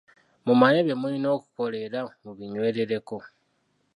Mumanye bye mulina okukola era mubinywerereko.